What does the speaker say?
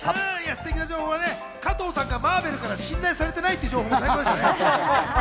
ステキな情報を加藤さんがマーベルから信頼されてないっていう情報もありましたね。